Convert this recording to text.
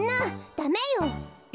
ダメよ。